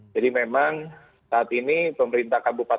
jadi memang saat ini pemerintah kabupaten raya idul fitri